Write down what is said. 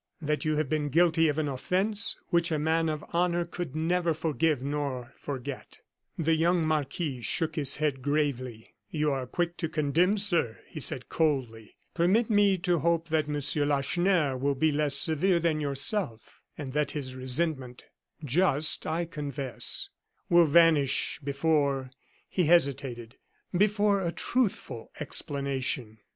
That you have been guilty of an offence which a man of honor could never forgive nor forget." The young marquis shook his head gravely. "You are quick to condemn, sir," he said, coldly. "Permit me to hope that Monsieur Lacheneur will be less severe than yourself; and that his resentment just, I confess, will vanish before" he hesitated "before a truthful explanation."